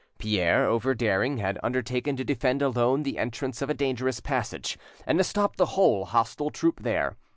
Pierre, over daring, had undertaken to defend alone the entrance of a dangerous passage and to stop the whole hostile troop there.